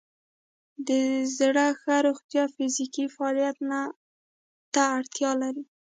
د زړه ښه روغتیا فزیکي فعالیت ته اړتیا لري.